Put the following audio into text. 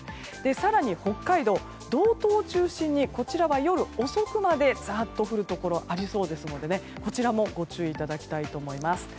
更に、北海道道東を中心にこちらは夜遅くまでザーッと降るところありそうですのでこちらもご注意いただきたいと思います。